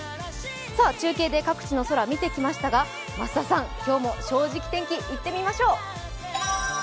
中継で各地の空、見てきましたが増田さん、今日も「正直天気」いってみましょう。